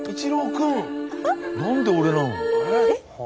何で俺なの？